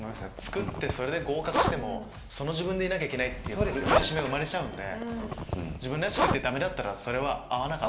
つくって合格してもその自分でいなきゃいけないっていうその苦しみは生まれちゃうんで自分らしくいてダメだったらそれは合わなかった。